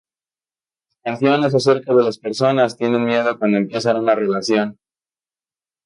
La canción es acerca de las personas tienen miedo cuando empiezan una relación.